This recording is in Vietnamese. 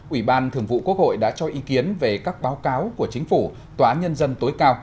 ủy ban thường vụ quốc hội đã cho ý kiến về các báo cáo của chính phủ tòa án nhân dân tối cao